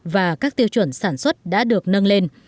và các tiêu chuẩn sản xuất đã được nâng lên